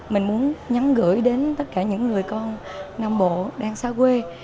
mình muốn nhắn gửi đến tất cả những người con nam bộ đang xa quê